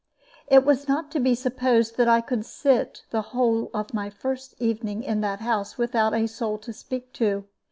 It was not to be supposed that I could sit the whole of my first evening in that house without a soul to speak to.